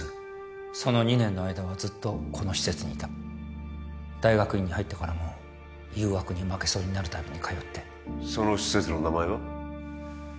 その２年の間はずっとこの施設にいた大学院に入ってからも誘惑に負けそうになるたびに通ってその施設の名前は？